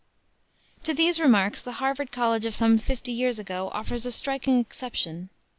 To these remarks the Harvard College of some fifty years ago offers a striking exception.